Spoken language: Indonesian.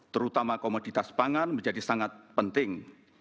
terutama komoditas pangan menjadi sangat penting